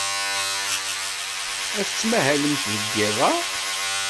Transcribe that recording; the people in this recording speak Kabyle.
Ad tmahlemt deg yiḍ-a?